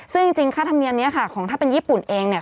ซึ่งจริงค่าธรรมเนียมนี้ค่ะของถ้าเป็นญี่ปุ่นเองเนี่ย